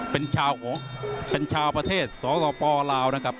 เป็นชาวประเทศสปลาวนะครับ